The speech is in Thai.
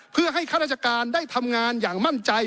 เพื่อให้ข้าราชการได้ทำงานอย่างมั่นใจ